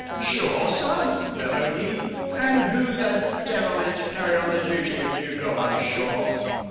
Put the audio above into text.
"Shore, Sir!" bellowed he "and who the devil is to carry on the duty, if you go on shore?